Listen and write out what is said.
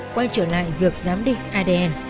quay trở lại việc giám định adn